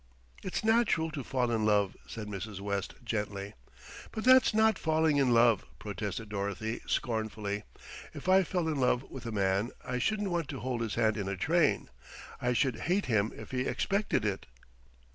"It's natural to fall in love," said Mrs. West gently. "But that's not falling in love," protested Dorothy scornfully. "If I fell in love with a man I shouldn't want to hold his hand in a train. I should hate him if he expected it."